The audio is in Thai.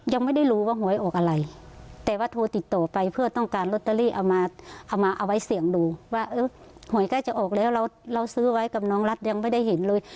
ยังไม่ได้รู้ว่าหวยออกอะไรแต่ว่าโทรติดต่อไปเพื่อต้องการลอตเตอรี่เอามาเอามาเอาไว้เสี่ยงดูว่าเออหวยใกล้จะออกแล้วเราซื้อไว้กับน้องรัฐยังไม่ได้เห็นเลย